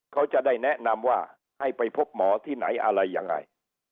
เขาจะได้แนะนำว่าให้ไปพบหมอที่ไหนอะไรยังไง